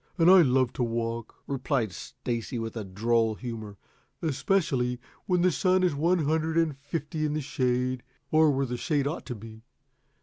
And I love to walk," replied Stacy, with droll humor. "Especially when the sun is one hundred and fifty in the shade, or where the shade ought to be.